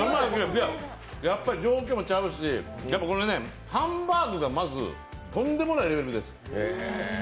状況も違うし、ハンバーグがまずとんでもないレベルです。